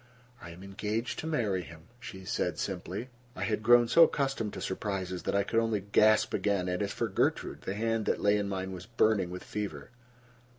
"I am engaged to marry him," she said simply. I had grown so accustomed to surprises that I could only gasp again, and as for Gertrude, the hand that lay in mine was burning with fever.